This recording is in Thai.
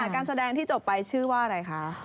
การแสดงที่จบไปชื่อว่าอะไรคะ